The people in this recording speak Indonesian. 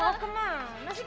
mau kemana sih kamu